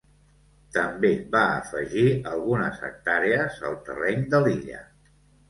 També va afegir algunes hectàrees al terreny de l'illa.